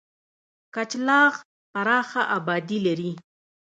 کچلاغ پراخه آبادي لري.